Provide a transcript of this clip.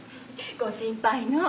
ご心配のう。